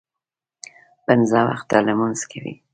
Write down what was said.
پنځه وخته لمونځ کوي.